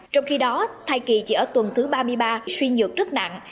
trong khi đó thai kỳ chỉ ở tuần thứ ba mươi ba suy nhược rất nặng